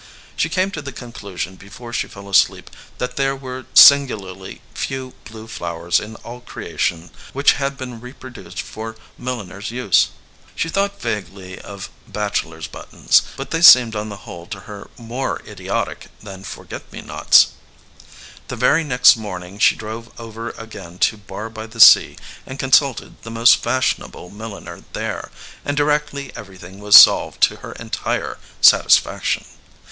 She came to the conclusion before she fell asleep that there were singularly few blue flow ers in all creation which had been reproduced for 84 . VALUE RECEIVED milliners use. She thought vaguely of bachelor s buttons, but they seemed on the whole to her more idiotic than forget me nots. The very next morn ing she drove over again to Barr by the Sea and consulted the most fashionable milliner there, and directly everything was solved to her entire satis faction.